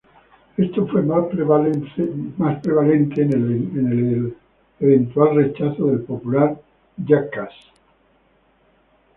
Esto fue más prevalente en el eventual rechazo del popular Jackass.